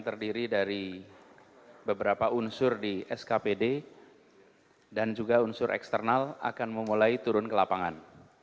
terdiri dari beberapa unsur di skpd dan juga unsur eksternal akan memulai turun ke lapangan